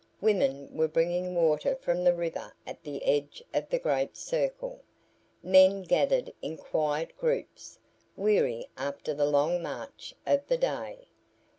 Women were bringing water from the river at the edge of the great circle. Men gathered in quiet groups, weary after the long march of the day.